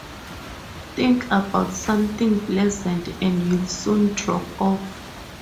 Think about something pleasant, and you'll soon drop off.